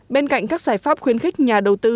bên cạnh các giải pháp khuyến khích nhà đầu tư